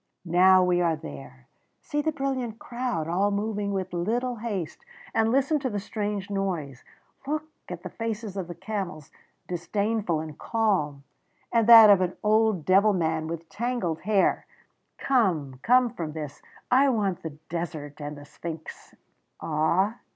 Now we are there. See the brilliant crowd all moving with little haste, and listen to the strange noise. Look at the faces of the camels, disdainful and calm, and that of an old devil man with tangled hair.... "Come come from this; I want the desert and the Sphinx! "Ah!